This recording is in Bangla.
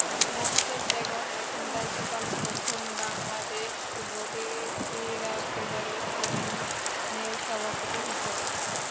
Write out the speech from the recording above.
মমতাজ বেগম এখন দায়িত্ব পালন করছেন বাংলাদেশ বধির ক্রীড়া ফেডারেশনের সভাপতি হিসেবে।